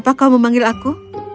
apa kau memanggil aku